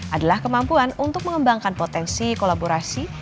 adalah kemampuan untuk mengembangkan potensi kolaborasi